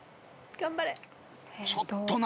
頑張れ。